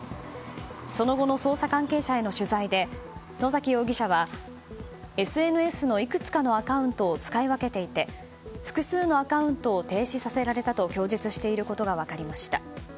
その後の捜査関係者への取材で野崎容疑者はＳＮＳのいくつかのアカウントを使い分けていて複数のアカウントを停止させられたと供述していることが分かりました。